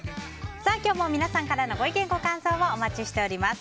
今日も皆さんからのご意見、ご感想をお待ちしています。